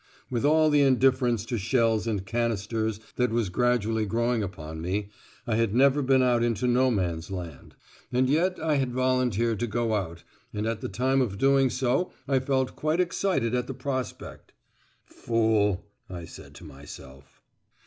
With all the indifference to shells and canisters that was gradually growing upon me, I had never been out into No Man's Land. And yet I had volunteered to go out, and at the time of doing so I felt quite excited at the prospect. "Fool," I said to myself.